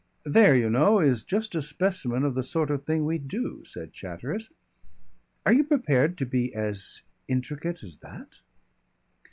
"There, you know, is just a specimen of the sort of thing we do," said Chatteris. "Are you prepared to be as intricate as that?"